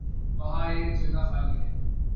وہاں ایک جگہ خالی ہے۔